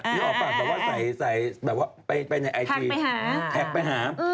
นี่ออกมาแบบว่าใส่ไปในไอจีแอดไปหา